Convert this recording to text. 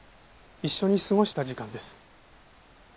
一緒に過ごした時間です。